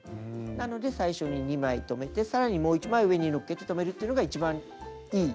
なので最初に２枚留めてさらにもう１枚上にのっけて留めるっていうのが一番いいやり方